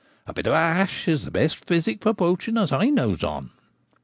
A bit of ash is the best physic for poaching as I knows on.'